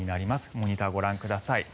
モニター、ご覧ください。